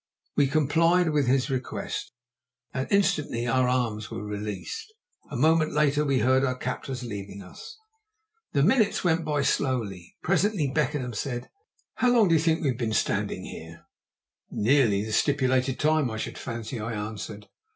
We complied with his request, and instantly our arms were released; a moment later we heard our captors leaving us. The minutes went slowly by. Presently Beckenham said, "How long do you think we've been standing here?" "Nearly the stipulated time, I should fancy," I answered.